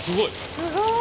すごい。